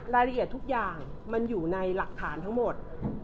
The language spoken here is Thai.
รายละเอียดทุกอย่างมันอยู่ในหลักฐานทั้งหมด